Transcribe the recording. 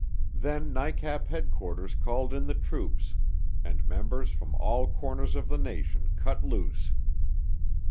Then NICAP headquarters called in the troops and members from all corners of the nation cut loose.